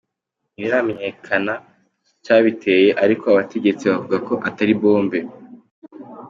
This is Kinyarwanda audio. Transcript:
Ntibiramenyekana icabiteye, ariko abategetsi bavuga ko Atari bombe.